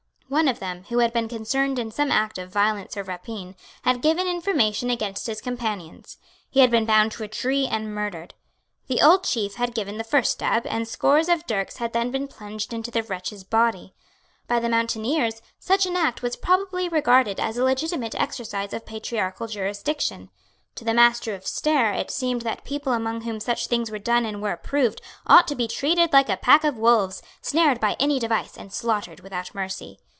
One of them, who had been concerned in some act of violence or rapine, had given information against his companions. He had been bound to a tree and murdered. The old chief had given the first stab; and scores of dirks had then been plunged into the wretch's body. By the mountaineers such an act was probably regarded as a legitimate exercise of patriarchal jurisdiction. To the Master of Stair it seemed that people among whom such things were done and were approved ought to be treated like a pack of wolves, snared by any device, and slaughtered without mercy.